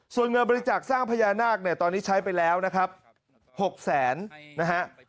ส่วนเงินบริจาคสร้างพญานาคเนี่ยตอนนี้ใช้ไปแล้วนะครับ๖แสนนะฮะ